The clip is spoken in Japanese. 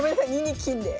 ２二金で。